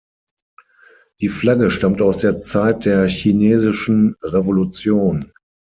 Die Flagge stammt aus der Zeit der chinesischen Revolution.